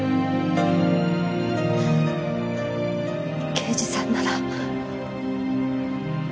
刑事さんなら。